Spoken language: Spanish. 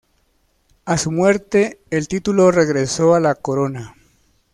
A su muerte, el título regresó a la Corona.